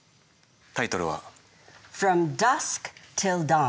タイトルは。